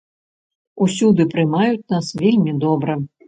Усюды прымаюць нас вельмі добра.